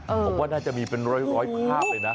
ผมว่าน่าจะมีเป็นร้อยภาพเลยนะ